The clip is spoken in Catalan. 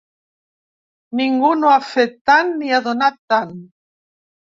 Ningú no ha fet tant ni ha donat tant.